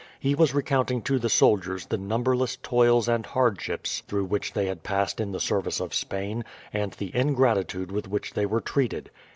He was recounting to the soldiers the numberless toils and hardships through which they had passed in the service of Spain, and the ingratitude with which they were treated.